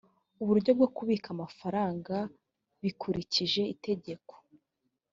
uburyo bwo kubika amafaranga bikurikije itegeko